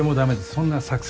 そんな作戦。